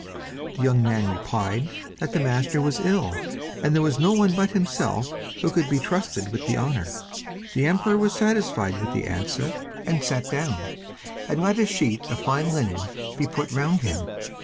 The young man replied that the master was ill, and there was no one but himself who could be trusted with the honour. The emperor was satisfied with the answer, and sat down, and let a sheet of fine linen be put round him.